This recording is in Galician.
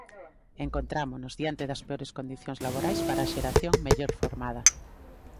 Encontrámonos diante das peores condicións laborais para a xeración mellor formada.